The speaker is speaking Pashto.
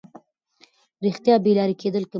رښتیا بې لارې کېدل کموي.